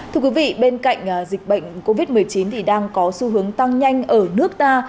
thưa quý vị bên cạnh dịch bệnh covid một mươi chín thì đang có xu hướng tăng nhanh ở nước ta